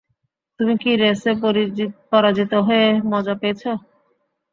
তুমি কি রেসে পরাজিত হয়ে, মজা পেয়েছো?